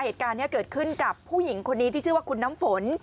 เหตุการณ์นี้เกิดขึ้นกับผู้หญิงคนนี้ที่ชื่อว่าคุณน้ำฝน